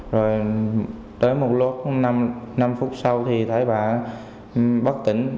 rồi tới một lúc năm phút sau thì thấy bà bất tỉnh